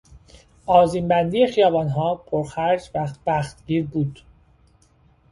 آذینبندی خیابانها پرخرج و وقتگیر بود.